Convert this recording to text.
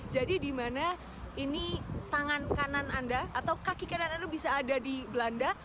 jadi di mana ini tangan kanan anda atau kaki kanan anda bisa ada di belanda